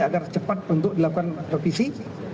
agar cepat untuk dilakukan revisi